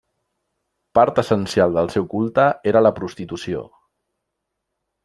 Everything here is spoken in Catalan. Part essencial del seu culte era la prostitució.